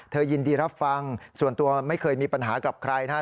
ยินดีรับฟังส่วนตัวไม่เคยมีปัญหากับใครนะครับ